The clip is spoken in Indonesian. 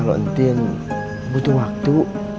kalau antin butuh waktu